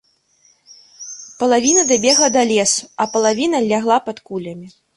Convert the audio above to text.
Палавіна дабегла да лесу, а палавіна лягла пад кулямі.